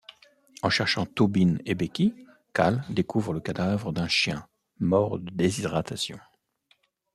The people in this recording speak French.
En cherchant Tobin et Becky, Cal découvre le cadavre d'un chien, mort de déshydratation.